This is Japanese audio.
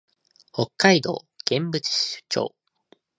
北海道剣淵町